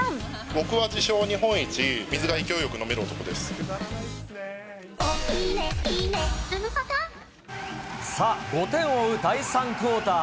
僕は自称、さあ、５点を追う第３クオーター。